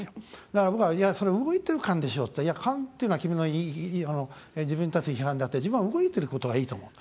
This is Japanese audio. だから僕は、それ動いてる感でしょ？って言ったら感っていうのは君の自分に対する批判であって自分は動いてることはいいと思う。